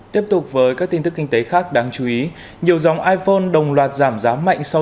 tiếp tục với các tin tức kinh tế khác đáng chú ý nhiều dòng iphone đồng loạt giảm giá mạnh sau